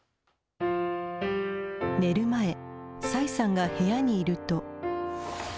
寝る前、崔さんが部屋にいると。